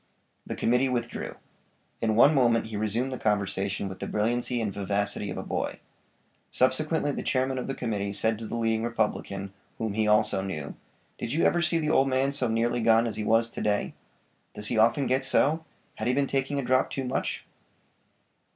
The committee withdrew. In one moment he resumed the conversation with the brilliancy and vivacity of a boy. Subsequently the chairman of the committee said to the leading Republican, whom he also knew: "Did you ever see the old man so nearly gone as he was to day? Does he often get so? Had he been taking a drop too much?"